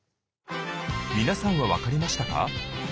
皆さんは分かりましたか？